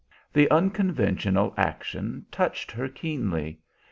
The unconventional action touched her keenly.